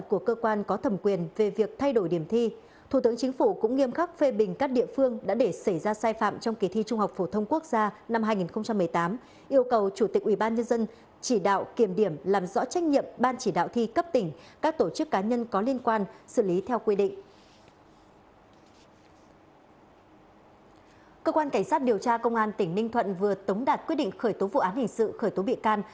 cơ quan cảnh sát điều tra công an tỉnh ninh thuận vừa tống đạt quyết định khởi tố vụ án hình sự khởi tố bị can